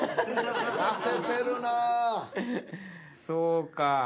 そうか。